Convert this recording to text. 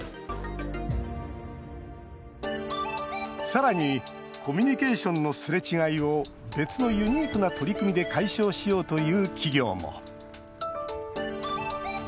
さらにコミュニケーションのすれ違いを別のユニークな取り組みで解消しようという企業も。